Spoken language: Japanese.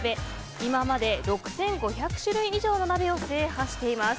今まで６５００種類以上の鍋を制覇しています。